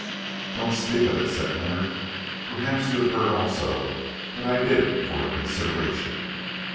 "Don't speak of it!" said Leonard. "Perhaps you have heard also that I did it for a consideration."